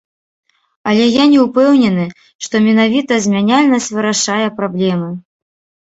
Але я не ўпэўнены, што менавіта змяняльнасць вырашае праблемы.